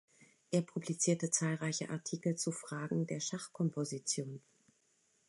Er publizierte zahlreiche Artikel zu Fragen der Schachkomposition.